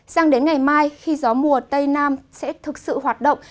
sang đến ngày mai khi gió mùa tây nam sẽ thực sự hoạt động